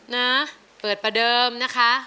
บุรุษขาดละนะครับ